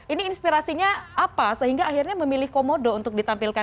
ini inspirasinya apa sehingga akhirnya memilih komodo untuk ditampilkan